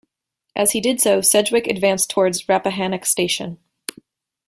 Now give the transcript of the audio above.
As he did so, Sedgwick advanced toward Rappahannock Station.